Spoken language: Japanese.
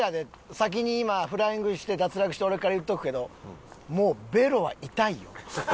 先に今フライングして脱落した俺から言っとくけどもうベロは痛いよ。